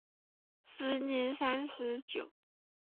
时年三十九。